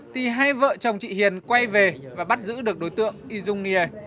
thì hai vợ chồng chị hiền quay về và bắt giữ được đối tượng y dung nghề